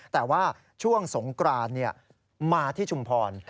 แต่ว่าช่วงสงกรานมาที่ชุมพร